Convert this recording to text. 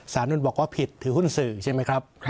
นุ่นบอกว่าผิดถือหุ้นสื่อใช่ไหมครับ